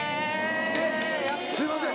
えっすいません